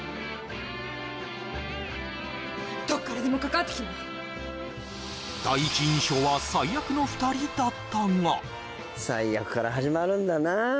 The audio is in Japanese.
どっからでもかかってきなの２人だったが最悪から始まるんだな